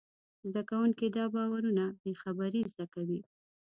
زدهکوونکي دا باورونه بېخبري زده کوي.